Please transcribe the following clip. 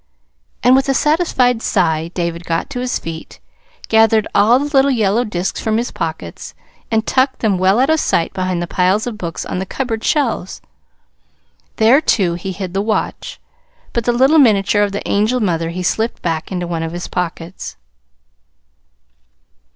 And with a satisfied sigh, David got to his feet, gathered all the little yellow disks from his pockets, and tucked them well out of sight behind the piles of books on the cupboard shelves. There, too, he hid the watch; but the little miniature of the angel mother he slipped back into one of his pockets.